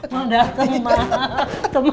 mau datang mak